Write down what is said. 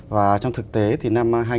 và trong thực tế thì năm hai nghìn một mươi bảy